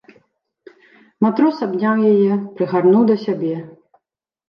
Матрос абняў яе, прыгарнуў да сябе.